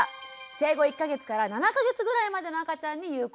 生後１か月から７か月ぐらいまでの赤ちゃんに有効なんだそうです。